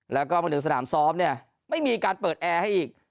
แล้วก็มาถึงสนามซ้อมเนี่ยไม่มีการเปิดแอร์ให้อีก